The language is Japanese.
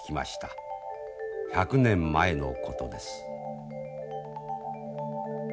１００年前のことです。